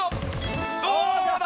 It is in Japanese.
どうだ？